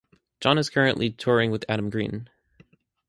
Jon is currently touring with Adam Green.